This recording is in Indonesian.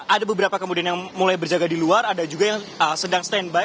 ada beberapa kemudian yang mulai berjaga di luar ada juga yang sedang standby